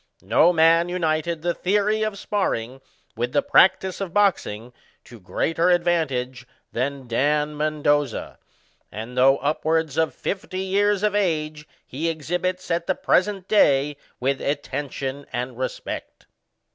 No man united the theory of sparring with the practice of boxing to greater advantage than Dan Mbndoza ; and, though upwards of fifty years of age, he exhibits, at the present day, with attention and respect.